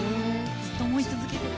ずっと思い続けてた。